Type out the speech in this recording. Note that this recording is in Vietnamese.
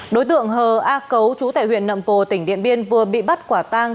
đối tượng hờ a cấu trú tại huyện nậm cồ tỉnh điện biên vừa bị bắt quả tang